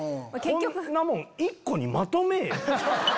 こんなもん１個にまとめぇよ。